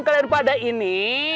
kalian pada ini